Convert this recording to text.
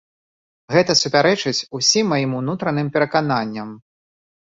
Гэта супярэчыць усім маім унутраным перакананням.